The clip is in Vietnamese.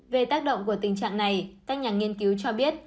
về tác động của tình trạng này các nhà nghiên cứu cho biết